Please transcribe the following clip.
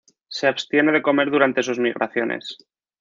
Se abstiene de comer durante sus migraciones.